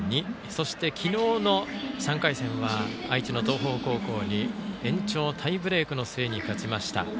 そして、昨日の３回戦は愛知の東邦高校に延長タイブレークの末に勝ちました。